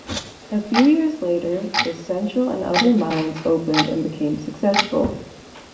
A few years later, the Central and other mines opened and became successful.